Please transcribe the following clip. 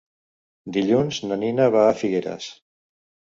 Dilluns na Nina va a Figueres.